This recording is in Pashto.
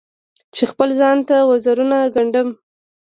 چې خپل ځان ته وزرونه ګنډم